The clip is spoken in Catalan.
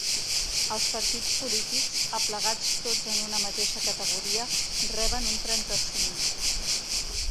Els partits polítics, aplegats tots en una mateixa categoria, reben un trenta-cinc.